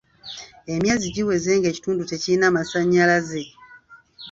Emyezi giweze ng'ekitundu tekirina masannyalaze.